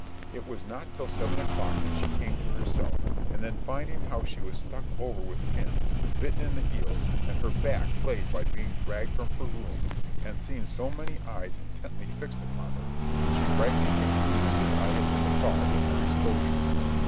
It was not till seven o'clock that she came to herself; and then finding how she was stuck over with pins, bitten in the heels, and her back flayed by being dragged from her room, and seeing so many eyes intently fixed upon her, she rightly concluded that I had been the cause of her exposure.